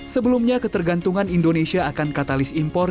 sebelumnya ketergantungan indonesia akan katalis impor